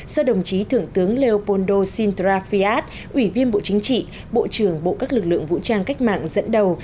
do đồng chí thưởng tướng leopoldo sintra fiat ủy viên bộ chính trị bộ trưởng bộ các lực lượng vũ trang cách mạng dẫn đầu